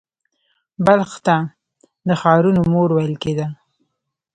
بلخ ته د ښارونو مور ویل کیده